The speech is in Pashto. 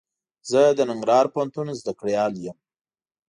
زه د ننګرهار پوهنتون زده کړيال يم.